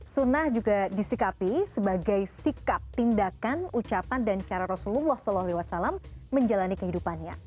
sunnah juga disikapi sebagai sikap tindakan ucapan dan cara rasulullah saw menjalani kehidupannya